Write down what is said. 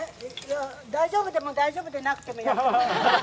大丈夫でも、大丈夫でなくてもやってます。